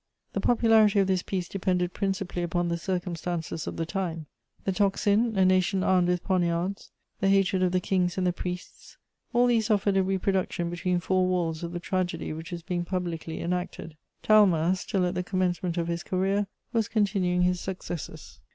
The popularity of this piece depended principally upon the circumstances of the time: the tocsin, a nation armed with poniards, the hatred of the kings and the priests, all these offered a reproduction between four walls of the tragedy which was being publicly enacted. Talma, still at the commencement of his career, was continuing his successes.